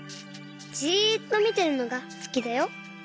じっとみてるのがすきだよ。